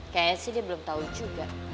kayaknya sih dia belum tahu juga